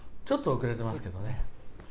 ちょっと遅れてますけどね。